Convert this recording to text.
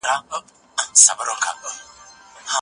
که موږ خپله ژبه وساتو، نو کلتوري ارزښتونه به هیر نه سي.